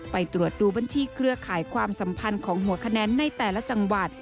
ไปตรวจดูบัญชีเครือข่ายความสัมพันธ์ของหัวคะแนนในแต่ละจังหวัด